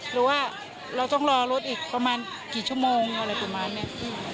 หรือว่าเราต้องรอรถอีกประมาณกี่ชั่วโมงอะไรประมาณนี้